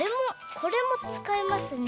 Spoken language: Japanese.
これもつかいますね。